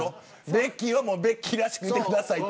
ベッキーはベッキーらしくいてくださいって。